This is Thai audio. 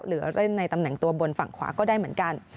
หรือเล่นในตำแหน่งตัวบนฝั่งขวาก็ได้เหมือนกัน